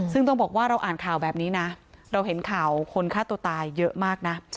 ซึ่งต้องบอกว่าเราอ่านข่าวแบบนี้นะเราเห็นข่าวคนฆ่าตัวตายเยอะมากนะ